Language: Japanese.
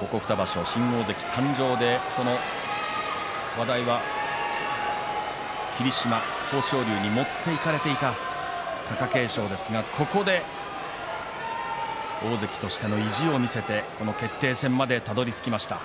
ここ２場所、新大関誕生でその話題は霧島、豊昇龍に持っていかれていた貴景勝ですが、ここで大関としての意地を見せてこの決定戦までたどりつきました。